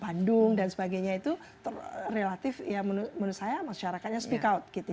bandung dan sebagainya itu relatif ya menurut saya masyarakatnya speak out gitu ya